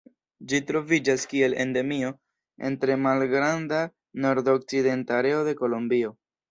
Ĝi troviĝas kiel endemio en tre malgranda nordokcidenta areo de Kolombio.